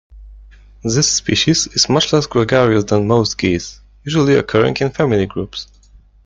This species is much less gregarious than most geese, usually occurring in family groups.